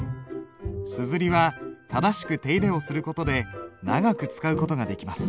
硯は正しく手入れをすることで長く使うことができます。